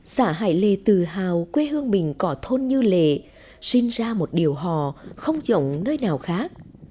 xã hải lề tự hào quê hương mình có thôn như lề sinh ra một điều hò không dỗng nơi nào khác